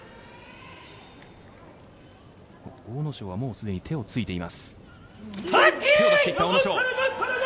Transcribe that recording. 阿武咲はすでに手をついています。